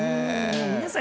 皆さん